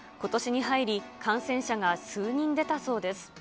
ことしに入り、感染者が数人出たそうです。